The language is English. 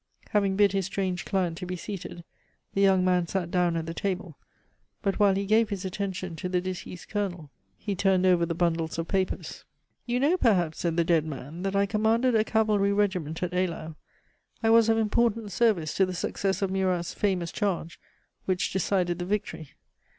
Having bid his strange client to be seated, the young man sat down at the table; but while he gave his attention to the deceased Colonel, he turned over the bundles of papers. "You know, perhaps," said the dead man, "that I commanded a cavalry regiment at Eylau. I was of important service to the success of Murat's famous charge which decided the victory.